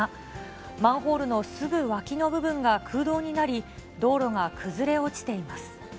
マンホールのすぐわきの部分が空洞になり、道路が崩れ落ちています。